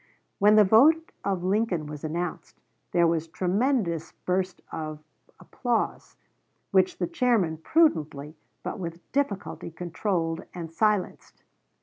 When the vote of Lincoln was announced, there was a tremendous burst of applause, which the chairman prudently but with difficulty controlled and silenced.